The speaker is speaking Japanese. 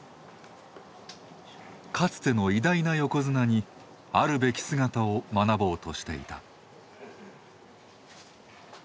かつての偉大な横綱にあるべき姿を学ぼうとしていた。